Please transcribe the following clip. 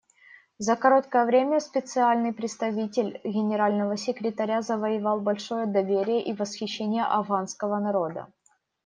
За короткое время Специальный представитель Генерального секретаря завоевал большое доверие и восхищение афганского народа.